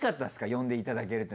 呼んでいただけると。